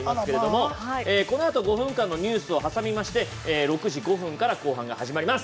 このあと５分間のニュースのあと６時５分から後半が始まります。